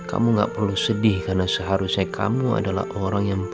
ada kejepaan surat dari alif